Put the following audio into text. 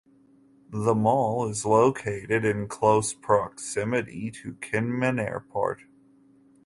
The mall is located in close proximity to Kinmen Airport.